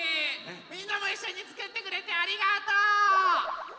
みんなもいっしょにつくってくれてありがとう！